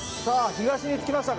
東側に着きましたよ。